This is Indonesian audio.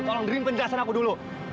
tolong dream penjelasan aku dulu